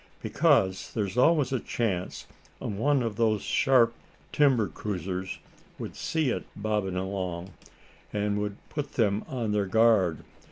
"Because there's always a chance one of those sharp timber cruisers would see it bobbin' along, and that would put them on their guard.